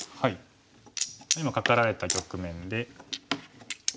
今カカられた局面で。